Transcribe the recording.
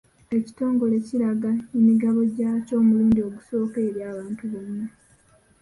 Ekitongole kiranga emigabo gyaakyo omulundi ogusooka eri abantu bonna.